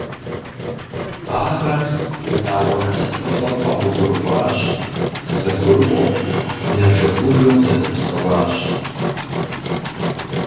Ахэр унагъуэ насыпыфӏэу къэгъуэгурыкӏуащ, зэгурыӏуэу, нэжэгужэу зэдэпсэуащ.